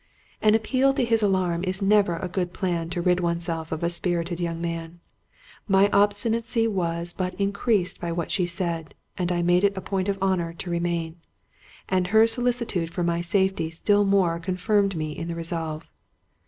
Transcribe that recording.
" An appeal to his alarm is never a good plan to rid one self of a spirited young man. My obstinacy was but in creased by what she said, and I made it a point of honor to remain. And her solicitude for my safety still more con firmed me in the resolve.